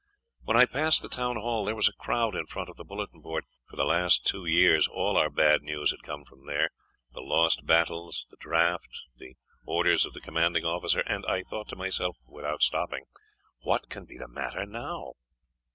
When I passed the town hall there was a crowd in front of the bulletin board. For the last two years all our bad news had come from there the lost battles, the draft, the orders of the commanding officer and I thought to myself, without stopping: "What can be the matter now?"